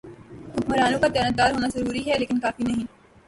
حکمرانوں کا دیانتدار ہونا ضروری ہے لیکن کافی نہیں۔